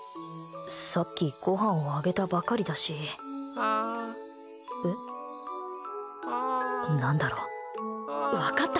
さっきごはんをあげたばかりだし何だろう、分かった！